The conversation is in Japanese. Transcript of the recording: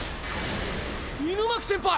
狗巻先輩！